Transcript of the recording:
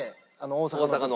大阪の。